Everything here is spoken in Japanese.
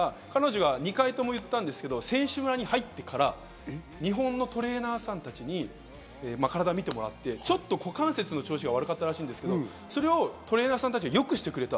どこでそんなに急に変わったんですかと言ったら、彼女は２回とも言ったんですけど、選手村に入ってから日本のトレーナーさんたちに体を見てもらってちょっと股関節の調子が悪かったらしいんですけど、トレーナーさんたちがよくしてくれた。